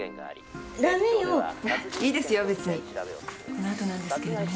この後なんですけれども。